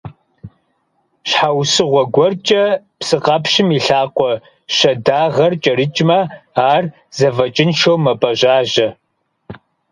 Щхьэусыгъуэ гуэркӀэ псыкъэпщым и лъакъуэ щэдагъэр кӀэрыкӀмэ, ар зэфӀэкӀыншэу мэпӀэжьажьэ.